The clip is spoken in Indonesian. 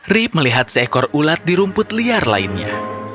rip melihat seekor ulat di rumput liar lainnya